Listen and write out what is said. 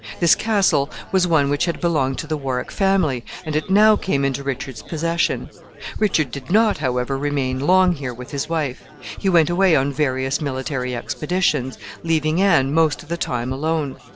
This castle was one which had belonged to the Warwick family, and it now came into Richard's possession. Richard did not, however, remain long here with his wife. He went away on various military expeditions, leaving Anne most of the time alone.